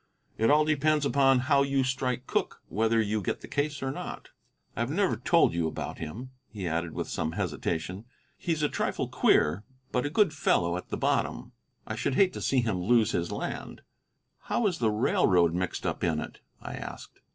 It all depends upon how you strike Cooke whether you get the case or not. I have never told you about him," he added with some hesitation; "he's a trifle queer, but a good fellow at the bottom. I should hate to see him lose his land." "How is the railroad mixed up in it?" I asked.